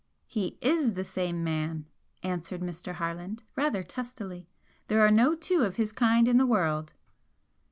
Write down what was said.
"He is the same man," answered Mr. Harland, rather testily "There are no two of his kind in the world."